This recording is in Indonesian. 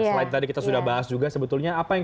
selain tadi kita sudah bahas juga sebetulnya apa yang